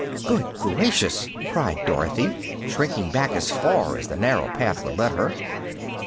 "Good gracious!" cried Dorothy, shrinking back as far as the narrow path would let her.